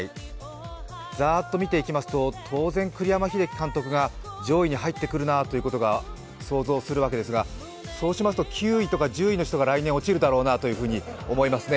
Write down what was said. ざーっと見ていきますと当然栗山英樹監督が上位に入ってくるなということが想像するわけですが、そうしますと、９位とか１０位の人が来年落ちるだろうなと思いますね。